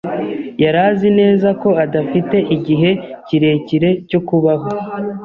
Yari azi neza ko adafite igihe kirekire cyo kubaho.